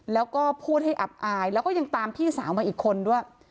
แล้วก็พูดให้อับอายแล้วก็ยังตามพี่สาวมาอีกคนด้วย